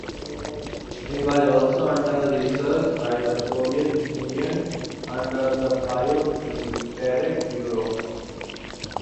It was also under research by the Soviet Union, under the Biopreparat bureau.